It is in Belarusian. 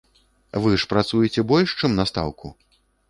Вы ж працуеце больш, чым на стаўку?